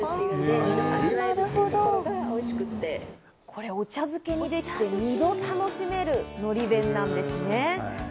これ、お茶漬けもできて、２度楽しめるのり弁なんですね。